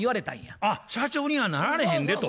あっ社長にはなられへんでと。